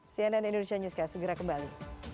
cnn indonesia newscast segera kembali